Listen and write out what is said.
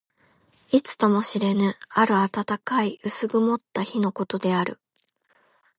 いつとも知れぬ、ある暖かい薄曇った日のことである。